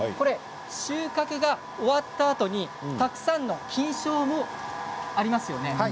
収穫が終わったあとにたくさんの菌床がありますよね。